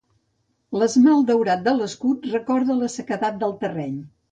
L'esmalt daurat de l'escut recorda la sequedat del terreny.